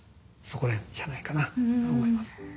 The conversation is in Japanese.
そこら辺じゃないかなと思います。